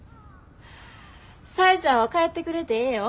紗江ちゃんは帰ってくれてええよ。